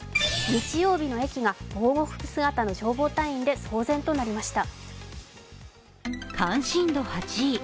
日曜日の駅が防護服姿の隊員で騒然となりました。